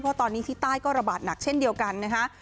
เพราะตอนนี้ที่ใต้ก็ระบาดหนักเช่นเดียวกันนะคะ